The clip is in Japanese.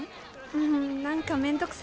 うん何か面倒くさくって。